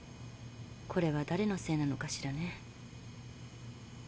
これはだれのせいなのかしらね？